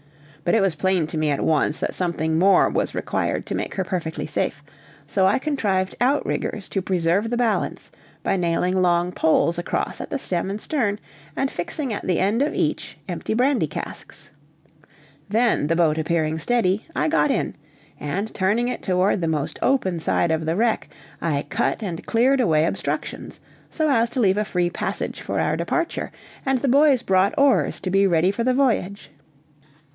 But it was plain to me at once that something more was required to make her perfectly safe, so I contrived out riggers to preserve the balance, by nailing long poles across at the stem and stern, and fixing at the end of each empty brandy casks. Then the boat appearing steady, I got in; and turning it toward the most open side of the wreck, I cut and cleared away obstructions, so as to leave a free passage for our departure, and the boys brought oars to be ready for the voyage.